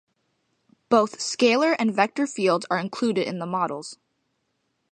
Both scalar and vector fields are included in the models.